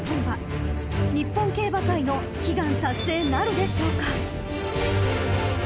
［日本競馬界の悲願達成なるでしょうか？］